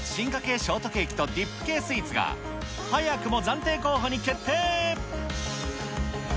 ショートケーキとディップ系スイーツが早くも暫定候補に決定。